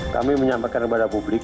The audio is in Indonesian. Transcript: kami menyampaikan kepada publik